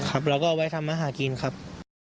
ครับเราก็เอาไว้ทำหากินครับ